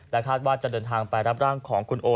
คาดว่าจะเดินทางไปรับร่างของคุณโอ